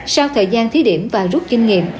sau thời gian thí điểm và rút kinh nghiệm